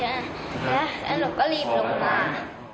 และหนูก็ลีบลงบ้าน